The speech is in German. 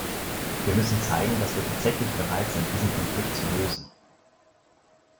Wir müssen zeigen, dass wir tatsächlich bereit sind, diesen Konflikt zu lösen.